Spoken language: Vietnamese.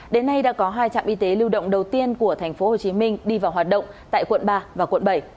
đến nay đã có hai trạm y tế lưu động đầu tiên của tp hcm đi vào hoạt động tại quận ba và quận bảy